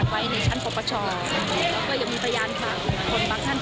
เวื่อมันเป็นแบบแบบส่วนหนึ่งที่ไม่อยู่ในชั้นของประประชาค่ะ